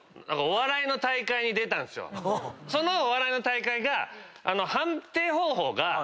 そのお笑いの大会が。